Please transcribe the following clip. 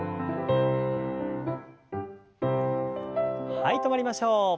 はい止まりましょう。